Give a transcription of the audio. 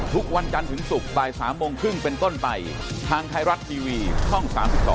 ทางไทยรัฐบีวีห้อง๓๒